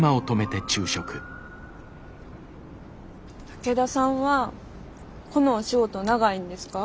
武田さんはこのお仕事長いんですか？